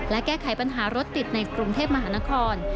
และแก้ไขปัญหารถติดในกรุงเทพมหานคร